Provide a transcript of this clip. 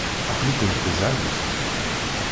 Aql-ikent tezhamt?